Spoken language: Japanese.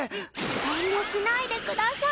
遠慮しないでください。